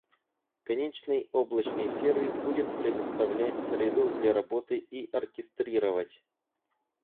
Конечный облачный сервис, будет предоставлять среду для работы и оркестрировать.